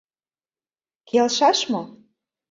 Келшаш мо?